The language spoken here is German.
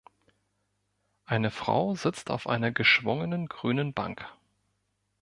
Eine Frau sitzt auf einer geschwungenen, grünen Bank.